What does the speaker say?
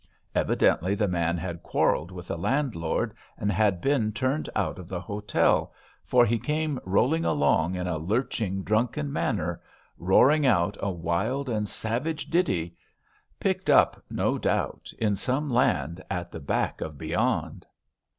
Evidently the man had quarrelled with the landlord, and had been turned out of the hotel, for he came rolling along in a lurching, drunken manner, roaring out a wild and savage ditty, picked up, no doubt, in some land at the back of beyond.